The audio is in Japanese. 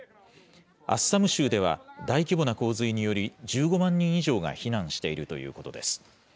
アッサム州では大規模な洪水により、１５万人以上が避難しているということです。